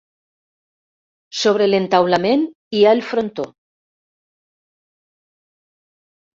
Sobre l'entaulament hi ha el frontó.